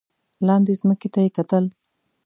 لاندې ځمکې ته یې کتل.